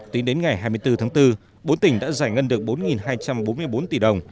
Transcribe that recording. tính đến ngày hai mươi bốn tháng bốn bốn tỉnh đã giải ngân được bốn hai trăm bốn mươi bốn tỷ đồng